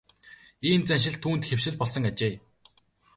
Ийм заншил түүнд хэвшил болсон ажээ.